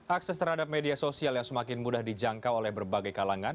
akses terhadap media sosial yang semakin mudah dijangkau oleh berbagai kalangan